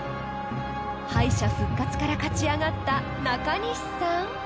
［敗者復活から勝ち上がった中西さん？］